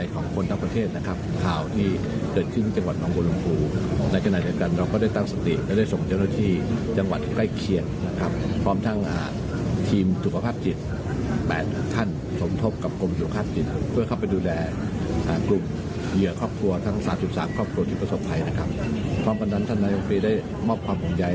ก็ควรที่ประสบภัยนะครับความประนับท่านนายกราชมนตรีได้มอบความภูมิใหญ่